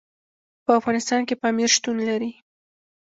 په افغانستان کې پامیر شتون لري.